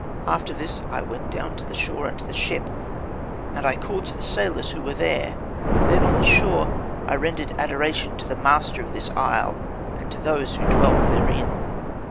After this I went down to the shore unto the ship, and I called to the sailors who were there. Then on the shore I rendered adoration to the master of this isle and to those who dwelt therein.